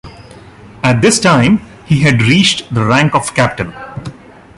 At this time, he had reached the rank of captain.